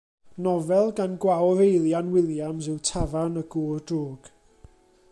Nofel gan Gwawr Eilian Williams yw Tafarn y Gŵr Drwg.